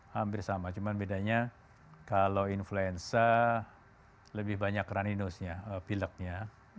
hampir sama cuman bedanya kalau influenza lebih banyak raninusnya pileknya